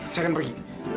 saya akan pergi